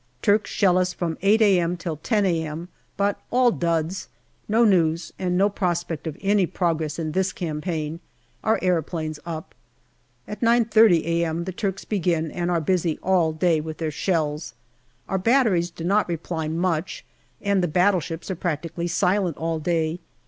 Turks shell us from 8 a.m. till 10 a.m., but all duds. No news, and no prospect of any progress in this campaign. Our aeroplanes up. At 9.30 a.m. the Turks begin and are very busy all day with their shells. Our batteries do not reply much, and the battleships are practically silent all day.